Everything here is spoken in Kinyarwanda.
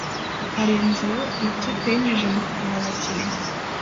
arenze ayo iyi ikipe yinjije mu kugura abakinnyi